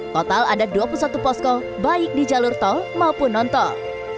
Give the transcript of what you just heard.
total ada dua puluh satu posko baik di jalur tol maupun non tol